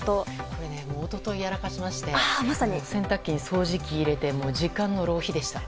これ、一昨日やらかしまして洗濯機に掃除機を入れて時間の浪費でした。